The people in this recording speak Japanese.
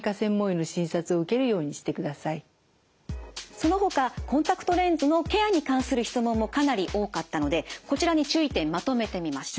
そのほかコンタクトレンズのケアに関する質問もかなり多かったのでこちらに注意点まとめてみました。